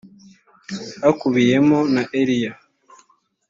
hakubiyemo na eliya .